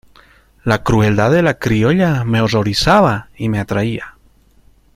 la crueldad de la criolla me horrorizaba y me atraía: